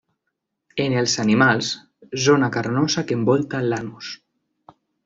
En els animals, zona carnosa que envolta l'anus.